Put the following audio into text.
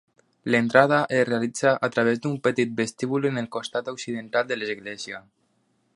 L'entrada es realitza a través d'un petit vestíbul en el costat occidental de l'església.